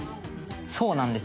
「そうなんです。